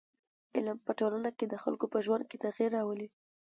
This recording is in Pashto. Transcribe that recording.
علم په ټولنه کي د خلکو په ژوند کي تغیر راولي.